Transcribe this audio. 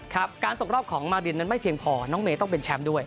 การตกรอบของมารินนั้นไม่เพียงพอน้องเมย์ต้องเป็นแชมป์ด้วย